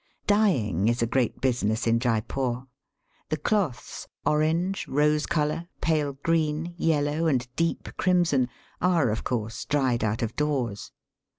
Dyeing is a great business in Jeypore. The cloths — orange, rose colour, pale green, yellow, and deep crimson — are of course dried out of doors.